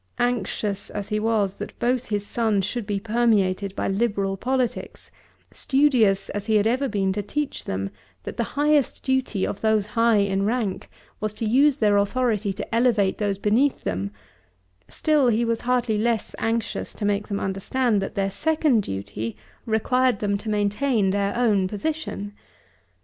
Anxious as he was that both his sons should be permeated by Liberal politics, studious as he had ever been to teach them that the highest duty of those high in rank was to use their authority to elevate those beneath them, still he was hardly less anxious to make them understand that their second duty required them to maintain their own position.